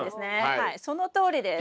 はいそのとおりです。